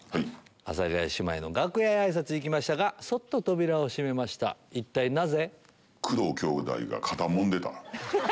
阿佐ヶ谷姉妹の楽屋へあいさつに行きましたがそっと扉を閉めました一体なぜ？